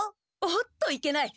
おっといけない。